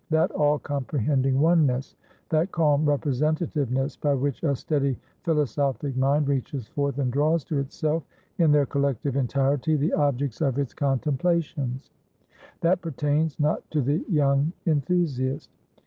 That all comprehending oneness, that calm representativeness, by which a steady philosophic mind reaches forth and draws to itself, in their collective entirety, the objects of its contemplations; that pertains not to the young enthusiast.